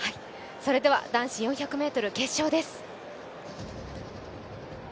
それでは男子４００ｍ決勝です。